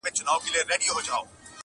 پاک پر شرعه برابر مسلمانان دي،